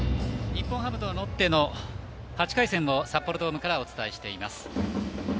日本ハム対ロッテの８回戦を札幌ドームからお伝えしています。